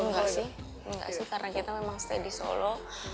enggak sih enggak sih karena kita memang stay di solo